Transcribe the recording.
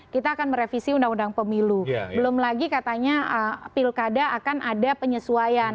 kita akan merevisi undang undang pemilu belum lagi katanya pilkada akan ada penyesuaian